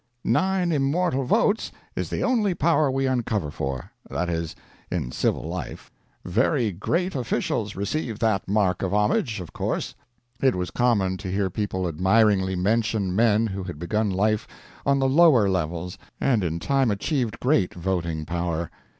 Nine immortal votes is the only power we uncover for that is, in civil life. Very great officials receive that mark of homage, of course." It was common to hear people admiringly mention men who had begun life on the lower levels and in time achieved great voting power.